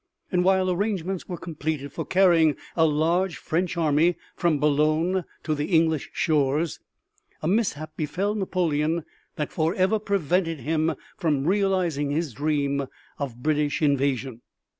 And while arrangements were completed for carrying a large French army from Boulogne to the English shores, a mishap befell Napoleon that forever prevented him from realizing his dream of British invasion.